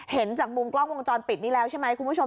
เห็นจากมุมกล้องวงจรปิดนี้แล้วใช่ไหมคุณผู้ชม